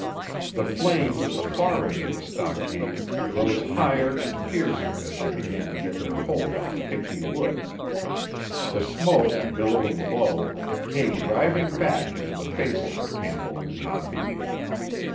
The flames at the far end of the stockade rose higher and fiercer as they began to get their hold on the pitchy wood. The smoke, billowing low, came driving back into the faces of Campbell and Toppy.